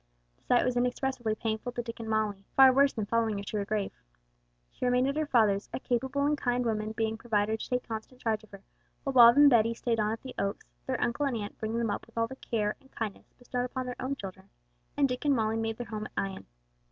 The sight was inexpressibly painful to Dick and Molly, far worse than following her to her grave. She remained at her father's, a capable and kind woman being provided to take constant charge of her, while Bob and Betty stayed on at the Oaks, their uncle and aunt bringing them up with all the care and kindness bestowed upon their own children; and Dick and Molly made their home at Ion.